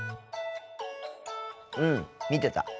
うん見てた。